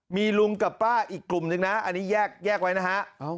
มีลุงกับป้าอีกกลุ่มนึงนะอันนี้แยกไว้นะฮะ